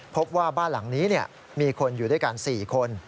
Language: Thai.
พบว่าบ้านหลังนี้มีคนอยู่ด้วยกัน๔คน